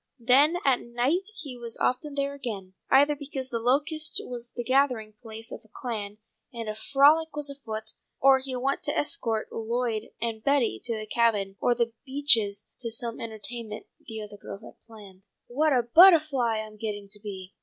Then at night he was often there again, either because The Locusts was the gathering place of the Clan, and a frolic was afoot, or he went to escort Lloyd and Betty to the Cabin or The Beeches to some entertainment the other girls had planned. "My oh! What a buttahfly I'm getting to be!"